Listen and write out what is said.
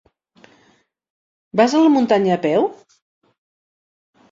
Vas a la muntanya a peu?